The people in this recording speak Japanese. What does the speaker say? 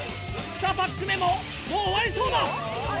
２パック目ももう終わりそうだ。